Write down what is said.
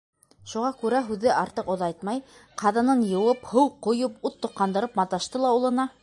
Шуға күрә һүҙҙе артыҡ оҙайтмай, ҡаҙанын йыуып, һыу ҡойоп, ут тоҡандырып маташты ла улына: